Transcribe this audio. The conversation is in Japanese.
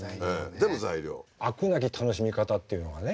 飽くなき楽しみ方っていうのがね。